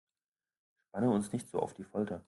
Spanne uns nicht so auf die Folter!